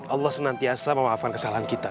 allah senantiasa memaafkan kesalahan kita